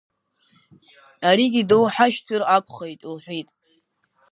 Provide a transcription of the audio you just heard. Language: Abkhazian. Аригьы доуҳашьҭыр акәхеит, лҳәит.